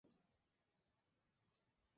Las Palmas